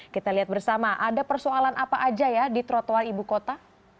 kita lihat bersama ada persoalan apa aja ya di trotoar ibu kota